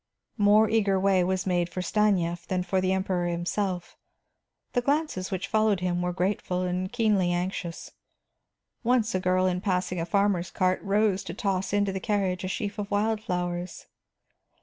More eager way was made for Stanief than for the Emperor himself; the glances which followed him were grateful and keenly anxious. Once a girl in a passing farmer's cart rose to toss into the carriage a sheaf of wildflowers.